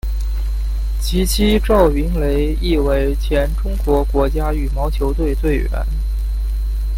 其妻赵芸蕾亦为前中国国家羽毛球队队员。